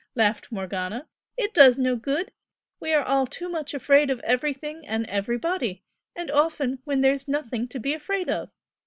laughed Morgana "It does no good. We are all too much afraid of everything and everybody, and often when there's nothing to be afraid of!